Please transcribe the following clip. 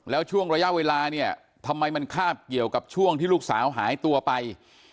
แล้วช่วงระยะเวลาเนี่ยทำไมมันคาบเกี่ยวกับช่วงที่ลูกสาวหายตัวไป